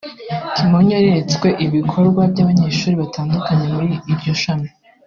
Kimonyo yeretswe ibikorwa by’abanyeshuri batandukanye muri iryo shami